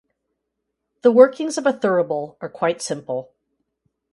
The workings of a thurible are quite simple.